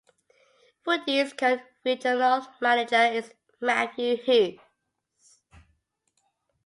Woody's current regional manager is Matthew Hughes.